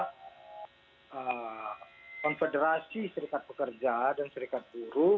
yang ketiga adalah konfederasi serikat pekerja dan serikat buruh